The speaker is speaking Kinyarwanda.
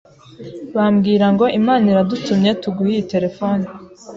barambwirango Imana iradutumye tuguhe iyi telefone